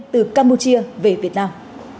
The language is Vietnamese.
từ campuchia về việt nam